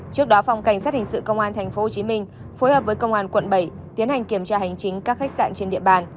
trước đó phòng cảnh sát hình sự công an tp hcm phối hợp với công an quận bảy tiến hành kiểm tra hành chính các khách sạn trên địa bàn